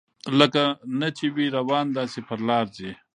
لکه نه چي وي روان داسي پر لار ځي